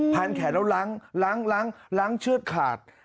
พันแขนแล้วล้างเชือกขาด